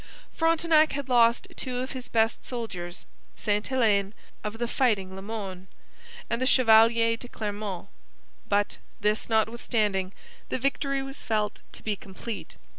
Frontenac had lost two of his best soldiers Sainte Helene, of the fighting Le Moynes, and the Chevalier de Clermont; but, this notwithstanding, the victory was felt to be complete.